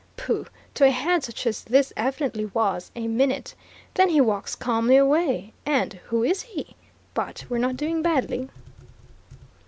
Pooh! to a hand such as this evidently was, a minute. Then, he walks calmly away. And who is he? But we're not doing badly."